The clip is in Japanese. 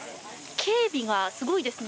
警備がすごいですね。